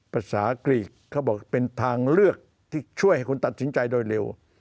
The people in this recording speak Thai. ภาษากรีกเขาบอกเป็นทางเลือกที่ช่วยให้คุณตัดสินใจโดยเร็ว